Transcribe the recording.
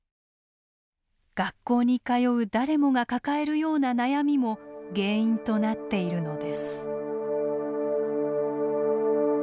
学校に通う誰もが抱えるような悩みも原因となっているのです。